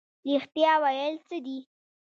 رښتیا ویل څه دي؟